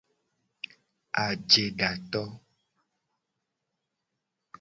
Ajedato.